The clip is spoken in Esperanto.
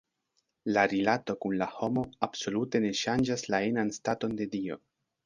La rilato kun la homo absolute ne ŝanĝas la enan staton de Dio.